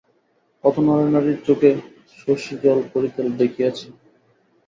কত নরনারীর চোখে শশী জল পড়িতে দেখিয়াছে।